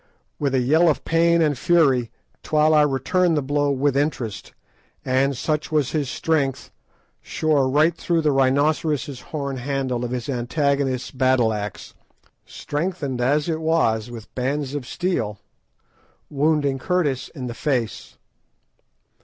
With a yell of pain and fury Twala returned the blow with interest, and, such was his strength, shore right through the rhinoceros' horn handle of his antagonists battle axe, strengthened as it was with bands of steel, wounding Curtis in the face.